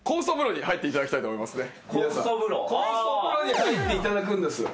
酵素風呂に入っていただくんです。